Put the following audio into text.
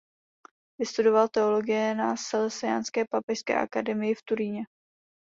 Vystudoval teologii na Salesiánské papežské akademii v Turíně.